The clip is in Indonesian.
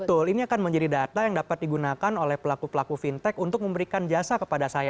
betul ini akan menjadi data yang dapat digunakan oleh pelaku pelaku fintech untuk memberikan jasa kepada saya